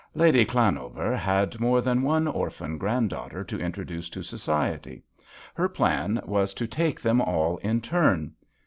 Lady Llanover had more than one orphan granddaughter to in troduce to society. Her plan was to take them all in turn.